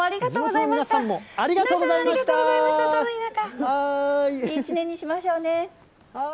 いい１年にしましょうね。